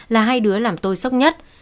là hai đứa làm tôi sốc nhất